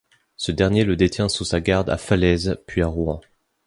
Ce dernier le détient sous sa garde à Falaise puis à Rouen.